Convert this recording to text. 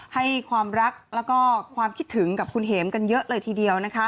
ให้ความรักแล้วก็ความคิดถึงกับคุณเหมกันเยอะเลยทีเดียวนะคะ